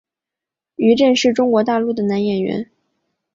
于震是中国大陆的男演员。